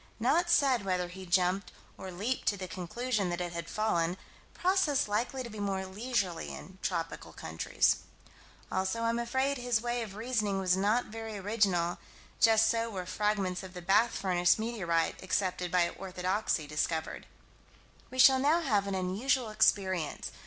Not said whether he jumped or leaped to the conclusion that it had fallen: process likely to be more leisurely in tropical countries. Also I'm afraid his way of reasoning was not very original: just so were fragments of the Bath furnace meteorite, accepted by orthodoxy, discovered. We shall now have an unusual experience.